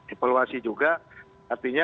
evaluasi juga artinya